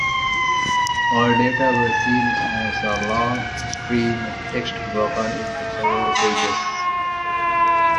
All data was seen as a long "stream" of text broken into several pages.